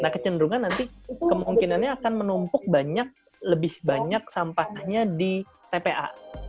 nah kecenderungan nanti kemungkinannya akan menumpuk banyak lebih banyak sampahnya di tpa